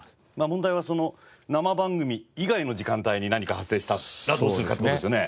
問題はその生番組以外の時間帯に何か発生したらどうするかって事ですよね。